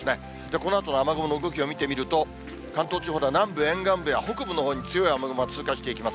このあとの雨雲の動きを見てみると、関東地方では南部、沿岸部や北部のほうに強い雨雲が通過していきます。